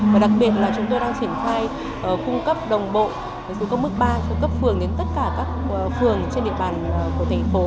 và đặc biệt là chúng tôi đang triển khai cung cấp đồng bộ số công mức ba cho cấp phường đến tất cả các phường trên địa bàn của thành phố